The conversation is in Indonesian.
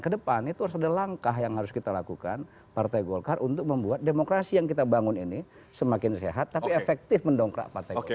kedepan itu harus ada langkah yang harus kita lakukan partai golkar untuk membuat demokrasi yang kita bangun ini semakin sehat tapi efektif mendongkrak partai golkar